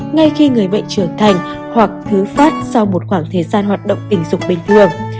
người bệnh trưởng thành hoặc thứ phát sau một khoảng thời gian hoạt động tình dục bình thường